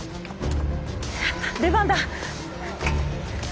出番だ！